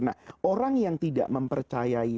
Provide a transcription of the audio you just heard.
nah orang yang tidak mempercayai